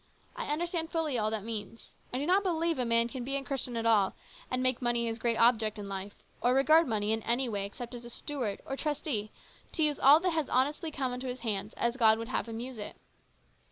I understand fully all that means. I do not believe a man can be a Christian at all and make money his great object in life, or regard money in any way except as a steward or trustee to use all that has honestly come into his hands as God would have him use it.